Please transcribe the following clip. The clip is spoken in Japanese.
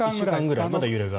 まだ揺れが。